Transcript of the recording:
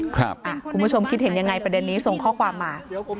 คุณผู้ชมคิดเห็นยังไงประเด็นนี้ส่งข้อความมา